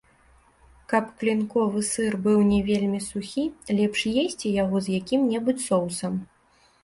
Каб клінковы сыр быў не вельмі сухі, лепш есці яго з якім-небудзь соусам.